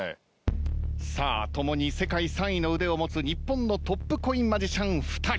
さあ共に世界３位の腕を持つ日本のトップコインマジシャン２人。